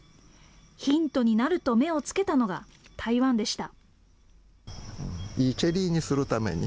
ヒントになると目を付けたのが台湾でした。